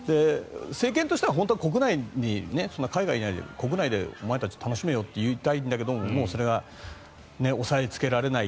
政権としては本当は国内でお前たち、楽しめよと言いたいんだけどもうそれは抑えつけられない。